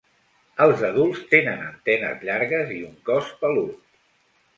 Els adults tenen antenes llargues i un cos pelut.